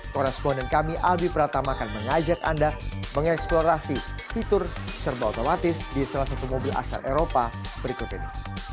koresponden kami albi pratama akan mengajak anda mengeksplorasi fitur serba otomatis di salah satu mobil asal eropa berikut ini